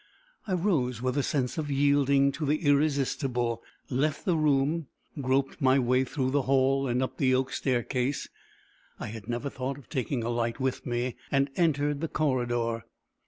I rose with a sense of yielding to the irresistible, left the room, groped my way through the hall and up the oak staircase I had never thought of taking a light with me and entered the corridor.